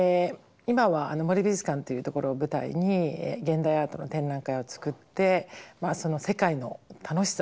今は森美術館というところを舞台に現代アートの展覧会を作ってその世界の楽しさをですね